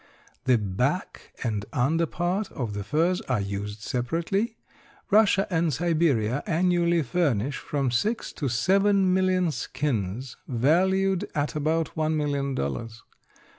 The back and under part of the furs are used separately. Russia and Siberia annually furnish from six to seven million skins, valued at about one million dollars.